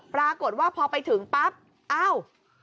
ปรากฏว่าพอไปถึงปั๊บอ้าว